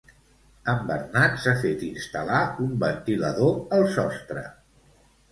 En Bernat s'ha fet instal·lar un ventilador al sostre